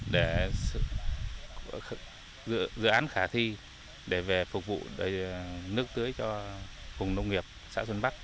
để dự án khả thi để về phục vụ nước tưới cho vùng nông nghiệp xã xuân bắc